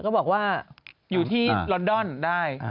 บอกว่าอยู่ที่ลอนดอนได้